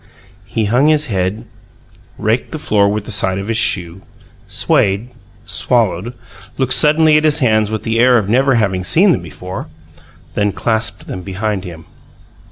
He hung his head, raked the floor with the side of his shoe, swayed, swallowed, looked suddenly at his hands with the air of never having seen them before, then clasped them behind him.